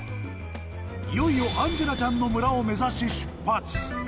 いよいよアンジェラちゃんの村を目指し出発。